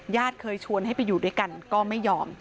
เคยชวนให้ไปอยู่ด้วยกันก็ไม่ยอม